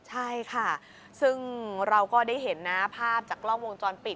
ใช่ค่ะซึ่งเราก็ได้เห็นนะภาพจากกล้องวงจรปิด